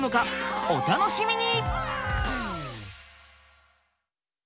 お楽しみに！